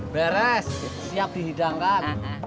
beres siap dihidangkan